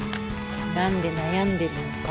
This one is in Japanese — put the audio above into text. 何で悩んでるのか？